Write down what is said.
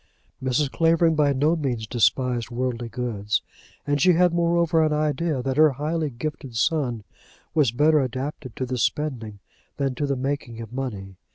Mrs. Clavering by no means despised worldly goods; and she had, moreover, an idea that her highly gifted son was better adapted to the spending than to the making of money.